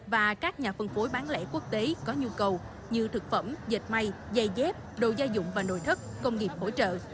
và các nhà phân phối bán lễ quốc tế có nhu cầu như thực phẩm dệt may dày dép đồ gia dụng và nồi thất công nghiệp hỗ trợ